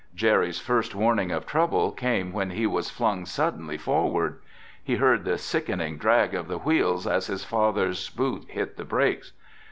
Jerry's first warning of trouble came when he was flung suddenly forward. He heard the sickening drag of the wheels as his father's boot hit the brakes.